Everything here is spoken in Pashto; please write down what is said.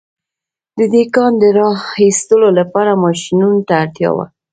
د دې کان د را ايستلو لپاره ماشينونو ته اړتيا وه.